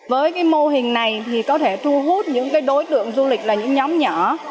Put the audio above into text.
với cái mô hình này thì có thể thu hút những cái đối tượng du lịch là những nhóm nhỏ